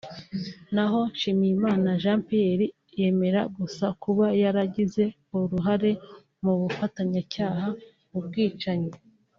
na ho Nshimyumukiza Jean Pierre yemera gusa kuba yaragize uruhare mu bufatanyacyaha mu bwicanyi